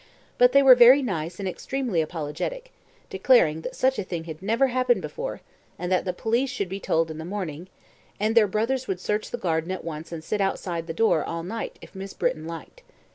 But they were very nice and extremely apologetic, declaring that such a thing had never happened before, and that the police should be told in the morning, and their brothers would search the garden at once and sit outside their door all night if Miss Britton liked.